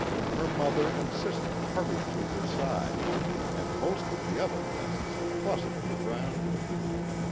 Her mother and sister hurried to her side, and most of the other guests clustered around her.